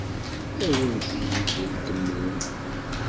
Awimt-iyi-d lkemmun.